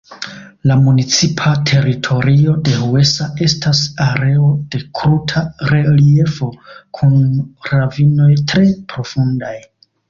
La municipa teritorio de Huesa estas areo de kruta reliefo kun ravinoj tre profundaj.